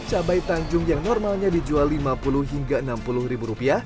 cabai tanjung yang normalnya dijual rp lima puluh hingga rp enam puluh